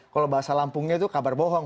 kalau bahasa lampungnya itu kabar bohong